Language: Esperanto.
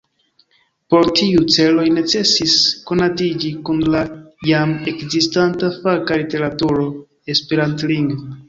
Por tiuj celoj necesis konatiĝi kun la jam ekzistanta faka literaturo esperantlingva.